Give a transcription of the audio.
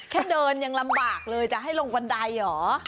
แค่เดินยังลำบากเลยจะให้ลงบันไดเหรอ